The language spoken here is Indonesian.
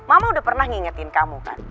mama udah pernah ngingetin kamu kan